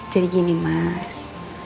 jadi gini mas